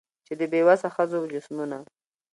چي د بې وسه ښځو جسمونه